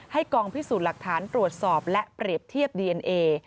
กองพิสูจน์หลักฐานตรวจสอบและเปรียบเทียบดีเอนเอ